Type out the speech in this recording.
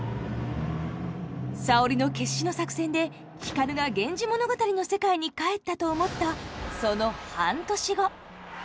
沙織の決死の作戦で光が「源氏物語」の世界に帰ったと思ったその半年後。